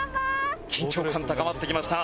緊張感高まってきました。